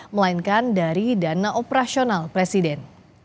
melainkan dari dana operasional presiden